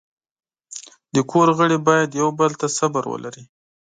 د کور غړي باید یو بل ته صبر ولري.